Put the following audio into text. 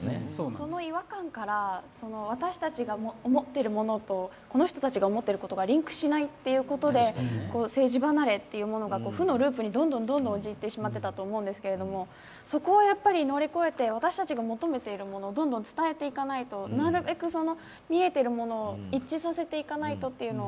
その違和感から私たちが思っているものとこの人たちが思っていることとリンクしないっていうことで政治離れってものが負のループにどんどん陥っていたと思うんですけどそこを乗り越えて私たちが求めているものをどんどん伝えていかないとなるべく、見えているものを一致させていかないとというのは。